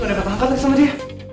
gak deket tangkap lagi sama dia